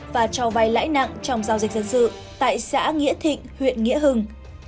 và cho vay lãi nặng trong giao dịch dân sự tại xã nghĩa thịnh huyện nghĩa hưng